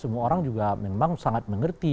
semua orang juga memang sangat mengerti